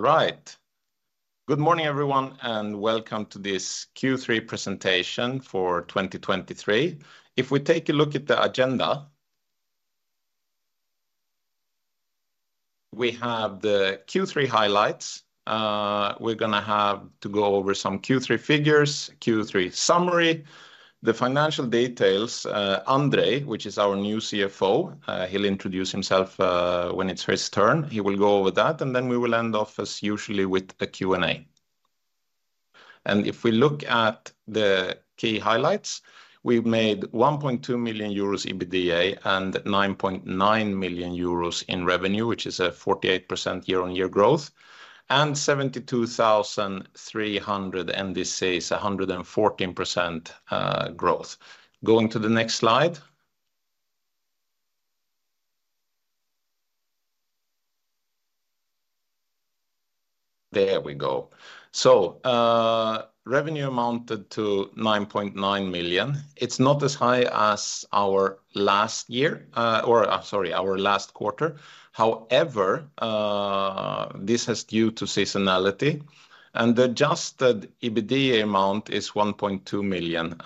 All right. Good morning, everyone, and welcome to this Q3 Presentation for 2023. If we take a look at the agenda, we have the Q3 highlights. We're gonna have to go over some Q3 figures, Q3 summary, the financial details. Andrzej, who is our new CFO, will introduce himself when it's his turn. He will go over that, and then we will end off as usual with a Q&A. If we look at the key highlights, we've made 1.2 million euros EBITDA, and 9.9 million euros in revenue, which is a 48% year-on-year growth, and 72,300 NDCs, 114% growth. Going to the next slide. There we go. So, revenue amounted to 9.9 million. It's not as high as our last year, or, sorry, our last quarter. However, this is due to seasonality, and the adjusted EBITDA amount is 1.2 million.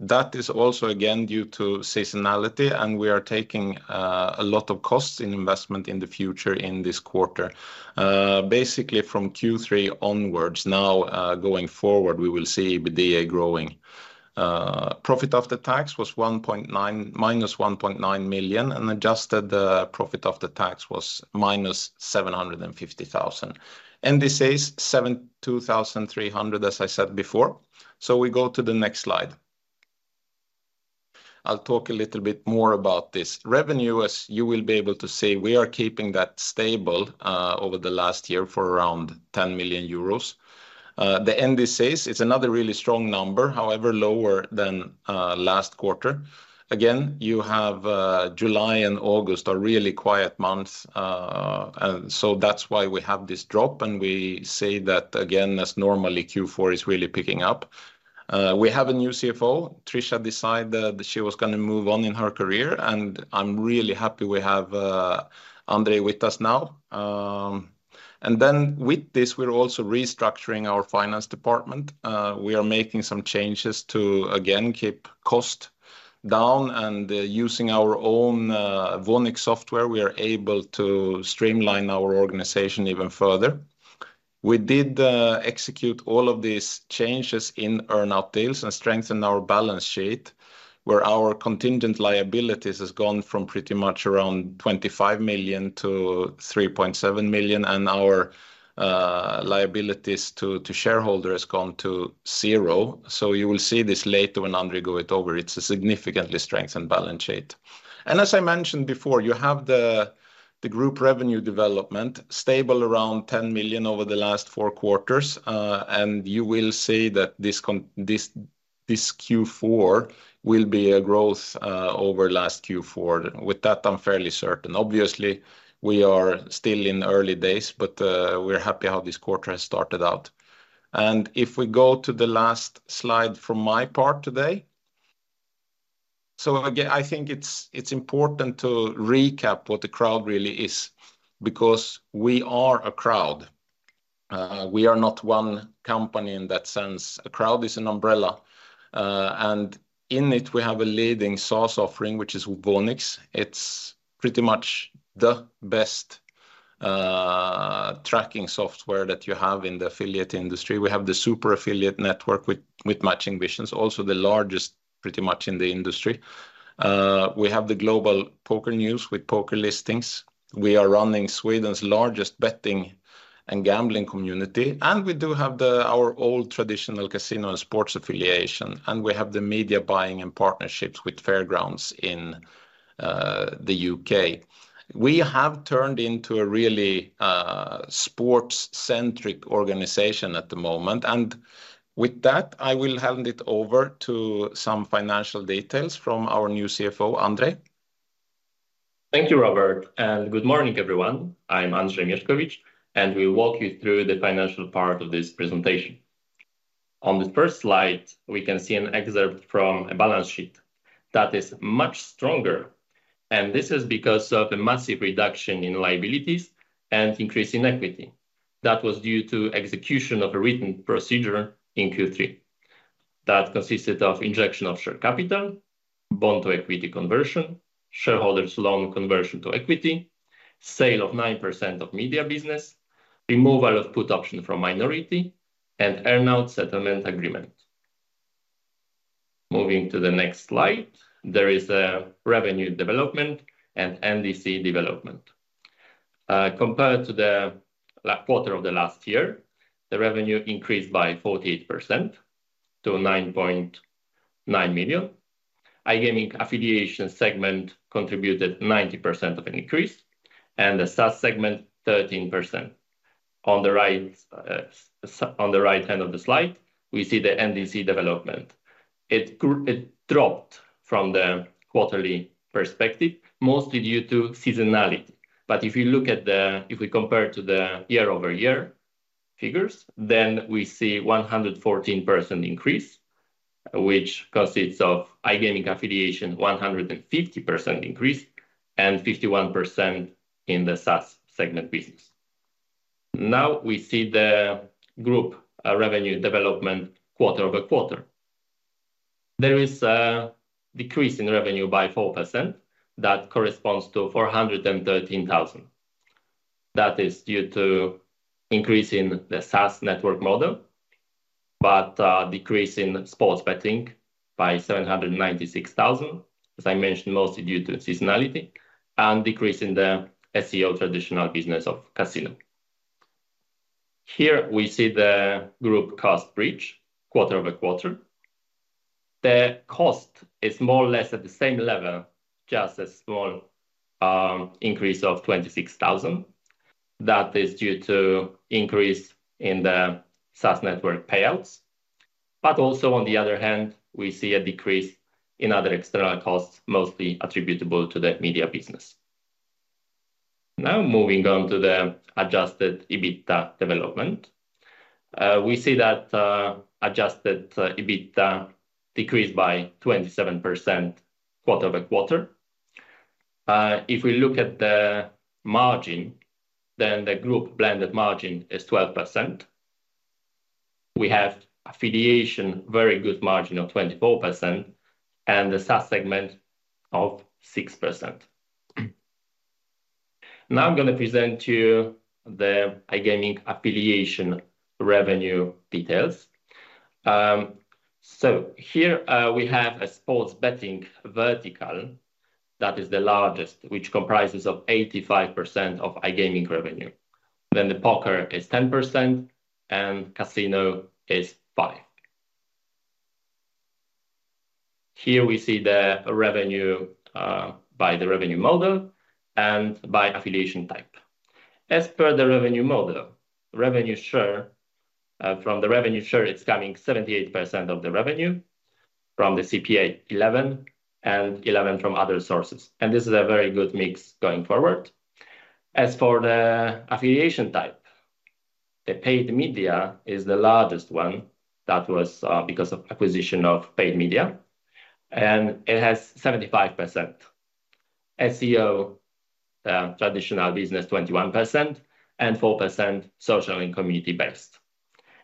That is also again, due to seasonality, and we are taking a lot of costs in investment in the future in this quarter. Basically, from Q3 onwards, going forward, we will see EBITDA growing. Profit after tax was -1.9 million, and adjusted profit after tax was -750,000. NDCs, 72,300, as I said before. So we go to the next slide. I'll talk a little bit more about this. Revenue, as you will be able to see, we are keeping that stable over the last year for around 10 million euros. The NDCs are another really strong number, however, lower than last quarter. Again, you have July and August are really quiet months, and so that's why we have this drop, and we say that again, as normally, Q4 is really picking up. We have a new CFO. Tricia decided that she was gonna move on in her career, and I'm really happy we have Andrzej with us now. And then with this, we're also restructuring our finance department. We are making some changes to, again, keep cost down, and, using our own Voonix software, we are able to streamline our organization even further. We executed all of these changes in earn-out deals and strengthened our balance sheet, where our contingent liabilities have gone from around 25 million to 3.7 million, and our liabilities to shareholders have gone to zero. So you will see this later when Andrzej goes over it. It's a significantly strengthened balance sheet. As I mentioned before, you have the group revenue development stable around 10 million over the last four quarters, and you will see that this Q4 will be a growth over last Q4. With that, I'm fairly certain. Obviously, we are still in early days, but we're happy how this quarter has started out, and if we go to the last slide from my part today. Again, I think it's important to recap what Acroud really is, because we are Acroud. We are not one company in that sense. Acroud is an umbrella, and in it, we have a leading SaaS offering, which is Voonix. It's pretty much the best tracking software that you have in the affiliate industry. We have the super affiliate network with Matching Visions, also the largest pretty much in the industry. We have the global poker news with PokerListings. We are running Sweden's largest betting and gambling community, and we do have our old traditional casino and sports affiliation. We have the media buying and partnerships with Fairgrounds in the U.K. We have turned into a really sports-centric organization at the moment, and with that, I will hand it over to some financial details from our new CFO, Andrzej. Thank you, Robert, and good morning, everyone. I'm Andrzej Mieszkowicz, and I will walk you through the financial part of this presentation. On this first slide, we can see an excerpt from a balance sheet that is much stronger, and this is because of the massive reduction in liabilities and increase in equity. That was due to the execution of a written procedure in Q3. That consisted of injection of share capital, bond to equity conversion, shareholders loan conversion to equity, sale of 9% of media business, removal of put option from minority, and earnout settlement agreement. Moving to the next slide, there is a revenue development and an NDC development. Compared to the quarter of the last year, the revenue increased by 48% to 9.9 million. The iGaming affiliation segment contributed 90% of an increase, and the SaaS segment, 13%. On the right-hand side of the slide, we see the NDC development. It dropped from the quarterly perspective, mostly due to seasonality. But if you look at, if we compare to the year-over-year figures, then we see 114% increase, which consists of iGaming affiliation 150% increase, and 51% in the SaaS segment business. Now we see the group revenue development quarter-over-quarter. There is a decrease in revenue by 4%. That corresponds to 413 thousand. That is due to an increase in the SaaS network model, but a decrease in sports betting by 796 thousand, as I mentioned, mostly due to seasonality, and a decrease in the SEO traditional business of the casino. Here, we see the group cost bridge quarter-over-quarter. The cost is more or less at the same level, just a small increase of 26,000. That is due to increase in the SaaS network payouts. But also, on the other hand, we see a decrease in other external costs, mostly attributable to the media business. Now, moving on to the adjusted EBITDA development. We see that adjusted EBITDA decreased by 27% quarter-over-quarter. If we look at the margin, then the group blended margin is 12%. We have an affiliation, with a very good margin of 24%, and the SaaS segment of 6%. Now I'm gonna present to you the iGaming affiliation revenue details. So here, we have a sports betting vertical. That is the largest, which comprises of 85% of iGaming revenue. Then the poker is 10%, and the casino is 5%. Here, we see the revenue by the revenue model and by affiliation type. As per the revenue model, revenue share, from the revenue share, it's coming 78% of the revenue, from the CPA 11, and 11 from other sources, and this is a very good mix going forward. As for the affiliation type, the paid media is the largest one. That was because of the acquisition of paid media, and it has 75%. SEO, traditional business, 21%, and 4% social and community-based,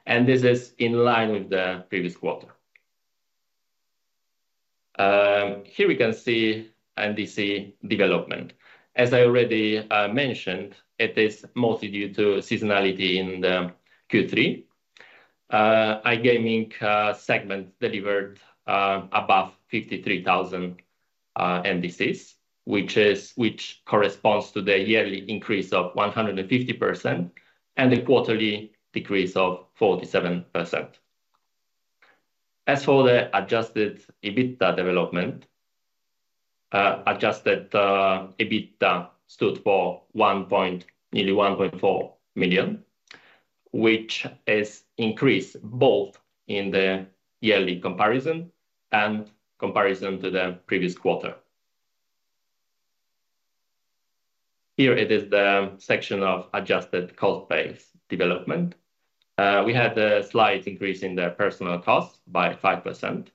and this is in line with the previous quarter. Here we can see NDC development. As I already mentioned, it is mostly due to seasonality in the Q3. The iGaming segment delivered above 53,000 NDCs, which corresponds to the yearly increase of 150% and a quarterly decrease of 47%. As for the adjusted EBITDA development, adjusted EBITDA stood at nearly 1.4 million, which is an increase both in the yearly comparison and comparison to the previous quarter. Here it is the section of adjusted cost base development. We had a slight increase in the personnel costs by 5%,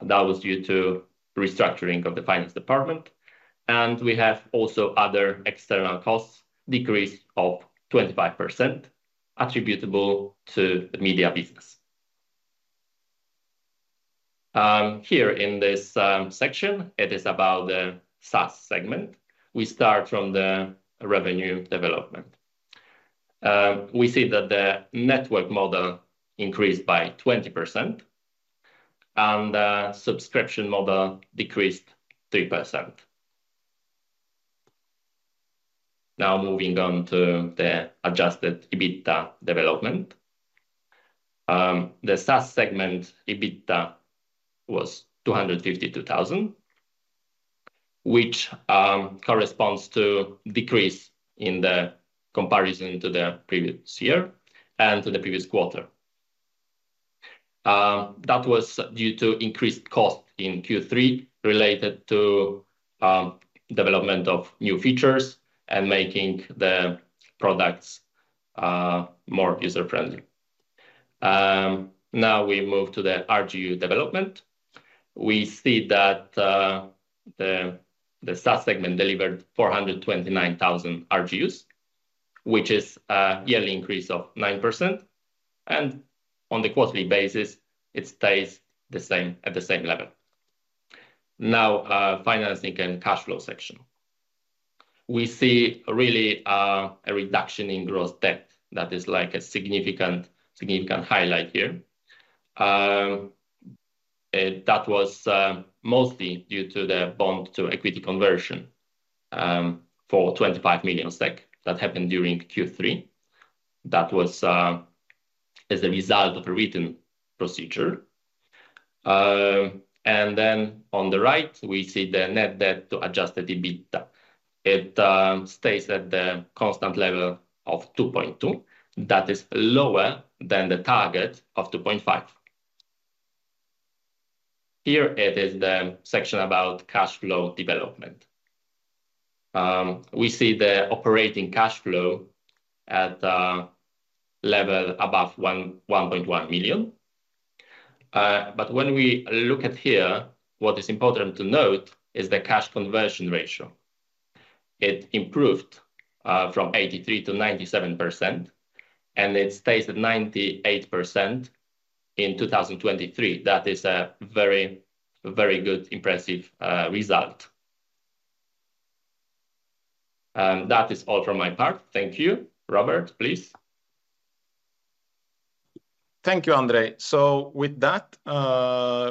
and that was due to the restructuring of the finance department. We also have other external costs, a decrease of 25%, attributable to the media business. Here in this section, it is about the SaaS segment. We start with the revenue development. We see that the network model increased by 20%, and the subscription model decreased 3%. Now, moving on to the adjusted EBITDA development. The SaaS segment EBITDA was 252,000, which corresponds to decrease in the comparison to the previous year and to the previous quarter. That was due to increased costs in Q3, related to the development of new features and making the products more user-friendly. Now we move to the RGU development. We see that the SaaS segment delivered 429,000 RGUs, which is a yearly increase of 9%, and on a quarterly basis, it remains the same, at the same level. Now, financing and cash flow section. We see a real reduction in gross debt. That is like a significant, significant highlight here. And that was mostly due to the bond-to-equity conversion for 25 million SEK. That happened during Q3. That was as a result of a written procedure. And then on the right, we see the net debt to adjusted EBITDA. It stays at the constant level of 2.2. That is lower than the target of 2.5. Here is the section about cash flow development. We see the operating cash flow at a level above 1.1 million. But when we look at it, what is important to note is the cash conversion ratio. It improved from 83% to 97%, and it stays at 98% in 2023. That is a very, very good, impressive result. And that is all from my part. Thank you. Robert, please. Thank you, Andrzej. With that,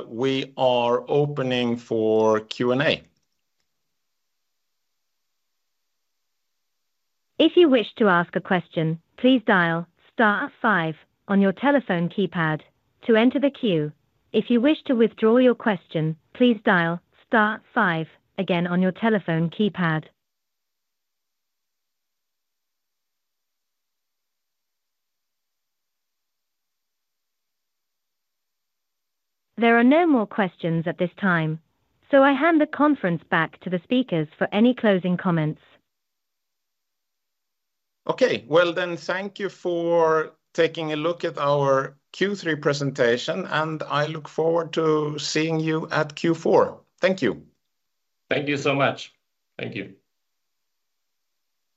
we are opening for Q&A. If you wish to ask a question, please dial star five on your telephone keypad to enter the queue. If you wish to withdraw your question, please dial star five again on your telephone keypad. There are no more questions at this time, so I hand the conference back to the speakers for any closing comments. Okay. Well, then, thank you for taking a look at our Q3 presentation, and I look forward to seeing you at Q4. Thank you. Thank you so much. Thank you.